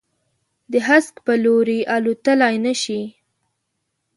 د هسک په لوري، الوتللای نه شي